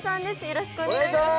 よろしくお願いします